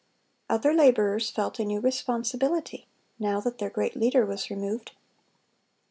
Other laborers felt a new responsibility, now that their great leader was removed.